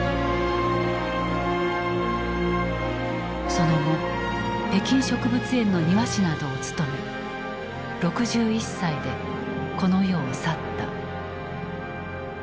その後北京植物園の庭師などを務め６１歳でこの世を去った。